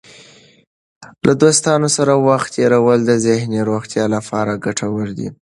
له دوستانو سره وخت تېرول د ذهني روغتیا لپاره ګټور دی.